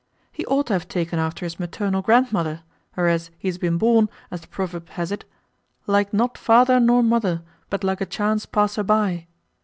He ought to have taken after his maternal grandmother, whereas he has been born, as the proverb has it, 'like not father nor mother, but like a chance passer by.